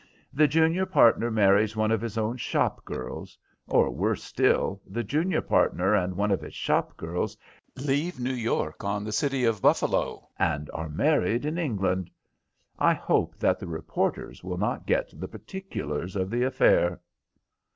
"The junior partner marries one of his own shop girls, or, worse still, the junior partner and one of his shop girls leave New York on the City of Buffalo, and are married in England. I hope that the reporters will not get the particulars of the affair."